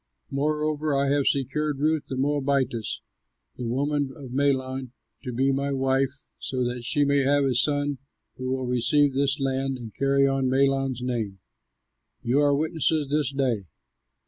Moreover, I have secured Ruth, the Moabitess, the widow of Mahlon, to be my wife so that she may have a son who will receive this land and carry on Mahlon's name. You are witnesses this day."